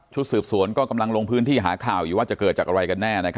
สืบสวนก็กำลังลงพื้นที่หาข่าวอยู่ว่าจะเกิดจากอะไรกันแน่